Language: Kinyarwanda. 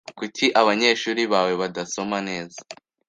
Kuki abanyeshuri bawe badasoma neza?